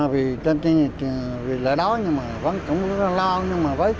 vì lợi đói nhưng vẫn cũng rất là lo